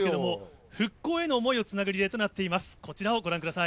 復興へのリレー、想いをつなぐリレーとなっています。